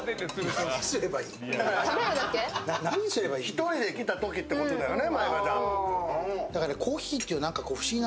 １人で来たときってことだよね？